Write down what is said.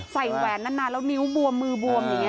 แหวนนานแล้วนิ้วบวมมือบวมอย่างนี้